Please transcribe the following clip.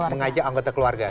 mengajak anggota keluarga